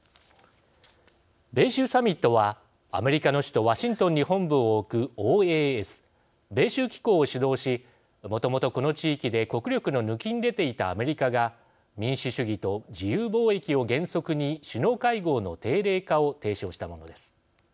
米州サミットはアメリカの首都ワシントンに本部を置くＯＡＳ＝米州機構を主導し、もともと、この地域で国力のぬきんでていたアメリカが民主主義と自由貿易を原則に首脳会合の定例化を提唱したものです。